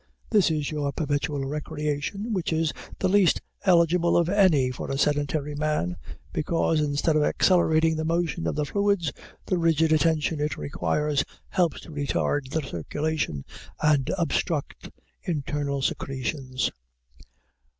This is your perpetual recreation, which is the least eligible of any for a sedentary man, because, instead of accelerating the motion of the fluids, the rigid attention it requires helps to retard the circulation and obstruct internal secretions.